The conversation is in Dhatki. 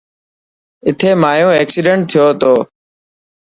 اٿي مايو ايڪسيڊنٽ ٿيو تو.